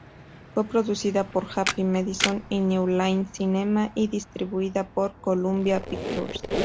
Fue producida por Happy Madison y New Line Cinema y distribuida por Columbia Pictures.